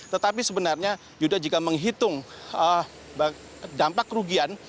tetapi sebenarnya yuda jika menghitung dampak kerugian